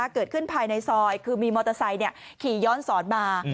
เกิดขึ้นภายในซอยคือมีมอเตอร์ไซต์ขี่ย้อนสอนมา